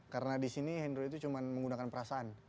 karena di sini hendro itu cuma menggunakan perasaan